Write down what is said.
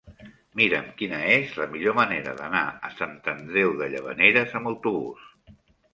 Mira'm quina és la millor manera d'anar a Sant Andreu de Llavaneres amb autobús.